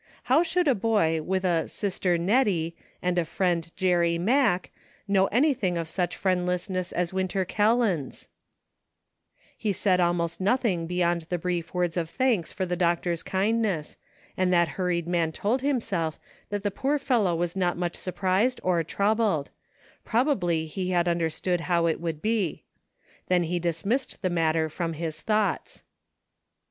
How should a boy with a " Sister Nettie " and a friend Jerry Mack know anything of such friend lessness as Winter Kelland's "i He said almost nothing beyond the brief words of thanks for the doctor's kindness, and that hur ried man told himself that the poor fellow was not much surprised or troubled ; probably he had understood how it would be. Then he dismissed the matter from his thoughts.